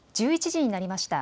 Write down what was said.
１１時になりました。